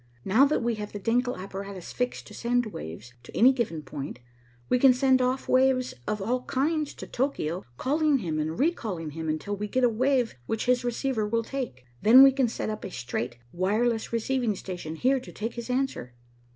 Now that we have the Denckel apparatus fixed to send waves to any given point, we can send off waves of all kinds to Tokio, calling him and recalling him, until we get a wave which his receiver will take. Then we can set up a straight, wireless receiving station here to take his answer."